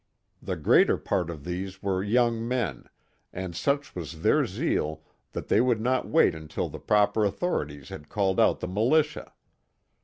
The greater part of these were young men, and such was their zeal that they would not wait until the proper authorities had called out the militia.